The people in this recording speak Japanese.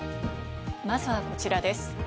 まずはこちらです。